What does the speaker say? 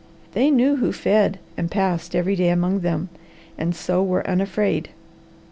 They knew who fed and passed every day among them, and so were unafraid.